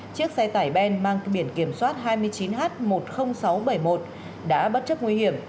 chiếc xe tải ben mang biển kiểm soát hai mươi chín h một mươi nghìn sáu trăm bảy mươi một đã bất chấp nguy hiểm